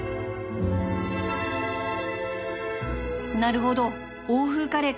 なるほど欧風カレーか